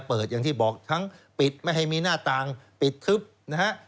อย่างที่บอกทั้งปิดไม่ให้มีหน้าต่างปิดทึบนะฮะ